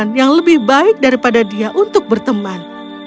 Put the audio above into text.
makan yang lebih baik daripada dia untuk berteman